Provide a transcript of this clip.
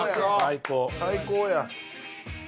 最高や。